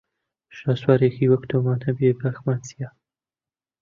شاسوارێکی وەکوو تۆمان هەبێ باکمان چییە